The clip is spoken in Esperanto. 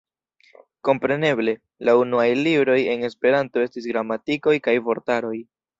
Kompreneble la unuaj libroj en Esperanto estis gramatikoj kaj vortaroj.